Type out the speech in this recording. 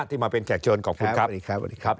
ที่มาเป็นแขกเชิญขอบคุณครับ